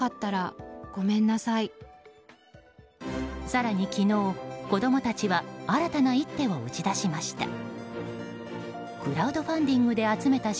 更に昨日、子供たちは新たな一手を打ち出しました。